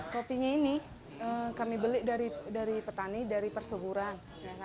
kopinya ini kami beli dari petani dari persuburan